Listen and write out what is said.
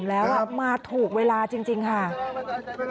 คือมันก็อาจจะยังไม่ได้